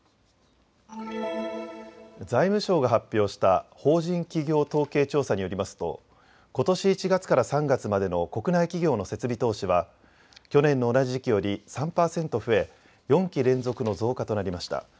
財務省が発表した法人企業統計調査によりますとことし１月から３月までの国内企業の設備投資は去年の同じ時期より３％増え４期連続の増加となりました。